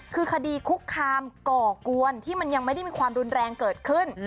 คือคดีคุกคามก่อกวนที่มันยังไม่ได้มีความรุนแรงเกิดขึ้น